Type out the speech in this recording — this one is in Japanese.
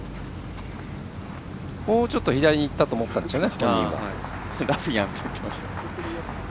もうちょっと左にいったと思ったんですね